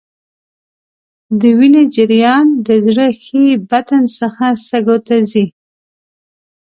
د وینې جریان د زړه ښي بطن څخه سږو ته ځي.